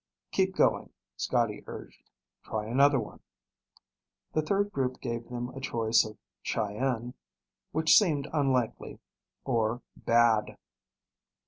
'" "Keep going," Scotty urged. "Try another one." The third group gave them a choice of "Cheyenne," which seemed unlikely, or "bad."